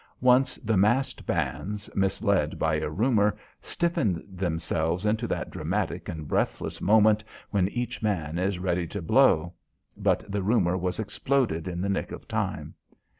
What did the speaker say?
Once the massed bands, misled by a rumour, stiffened themselves into that dramatic and breathless moment when each man is ready to blow. But the rumour was exploded in the nick of time.